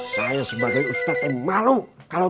saya sebagai ustadz yang malu